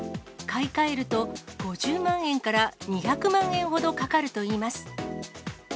買い替えると５０万円から２００万円ほどかかるといいます。